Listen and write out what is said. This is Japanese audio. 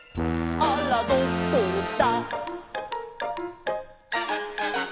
「あらどこだ」